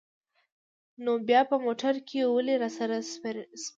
نو بیا په موټر کې ولې راسره سپرې یاست؟